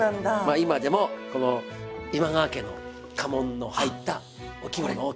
今でもこの今川家の家紋の入ったお着物を着ております。